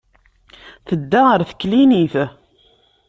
Tedda ɣer teklinit.